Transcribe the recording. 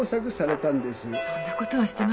そんなことはしてません。